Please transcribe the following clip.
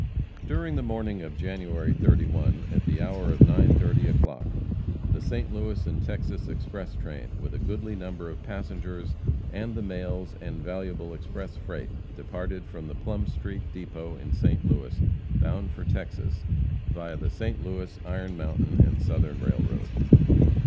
During the morning of January 31, at the hour of 9:30 o'clock, the St. Louis and Texas express train, with a goodly number of passengers, and the mails and valuable express freight, departed from the Plum street depot in St. Louis, bound for Texas, via the St. Louis, Iron Mountain and Southern railroad.